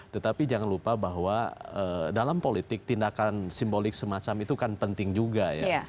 tetapi jangan lupa bahwa dalam politik tindakan simbolik semacam itu kan penting juga ya